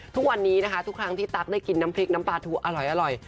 ทุกวันนี้นะคะทุกครั้งที่ตั๊กได้กินน้ำพริกน้ำปลาทูอร่อย